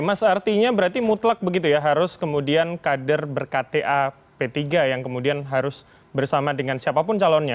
mas artinya berarti mutlak begitu ya harus kemudian kader berkta p tiga yang kemudian harus bersama dengan siapapun calonnya